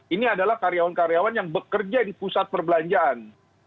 ini adalah karyawan karyawan yang bekerja di pusat perbelanjaan